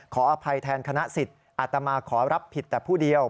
ขออภัยแทนคณะสิทธิ์อาตมาขอรับผิดแต่ผู้เดียว